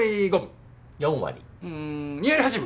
うん２割８分。